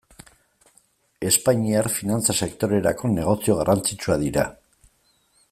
Espainiar finantza sektorerako negozio garrantzitsua dira.